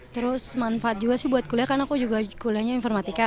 terus manfaat juga sih buat kuliah karena aku juga kuliahnya informatika